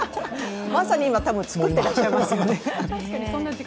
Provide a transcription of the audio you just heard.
まさに今、作ってらっしゃいますよね。